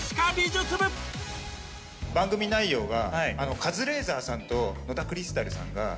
番組内容が。